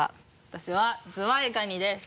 私はズワイガニです。